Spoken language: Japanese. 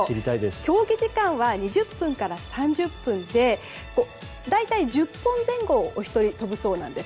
競技時間は２０分から３０分で１０分前後おひとりいくそうです。